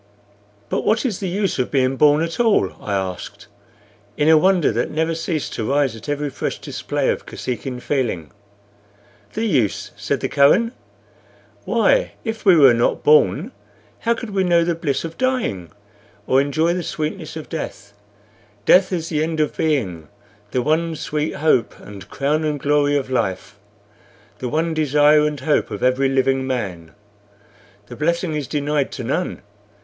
"But what is the use of being born at all?" I asked, in a wonder that never ceased to rise at every fresh display of Kosekin feeling. "The use?" said the Kohen. "Why, if we were not born, how could we know the bliss of dying, or enjoy the sweetness of death? Death is the end of being the one sweet hope and crown and glory of life, the one desire and hope of every living man. The blessing is denied to none.